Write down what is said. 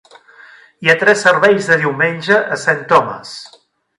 Hi ha tres serveis de diumenge a St. Thomas.